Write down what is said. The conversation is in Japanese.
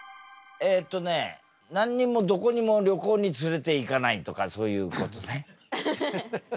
えっとね何にもどこにも旅行に連れて行かないとかそういうことね。